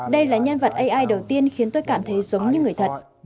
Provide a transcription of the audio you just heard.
đây là nhân vật ai đầu tiên khiến tôi cảm thấy giống như người thật